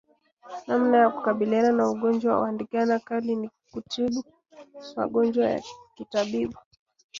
Namna ya kukabiliana na ugonjwa wa ndigana kali ni kutibu magonjwa ya kitabibu